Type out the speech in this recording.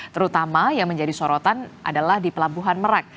terutama yang menjadi sorotan adalah di pelabuhan merak